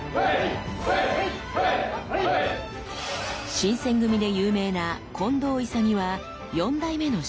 新選組で有名な近藤勇は４代目の師範。